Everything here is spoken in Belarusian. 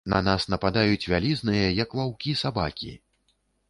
На нас нападаюць вялізныя, як ваўкі, сабакі.